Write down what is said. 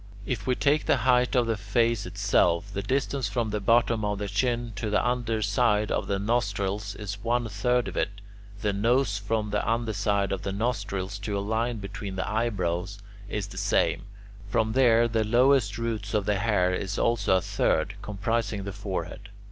If we take the height of the face itself, the distance from the bottom of the chin to the under side of the nostrils is one third of it; the nose from the under side of the nostrils to a line between the eyebrows is the same; from there to the lowest roots of the hair is also a third, comprising the forehead.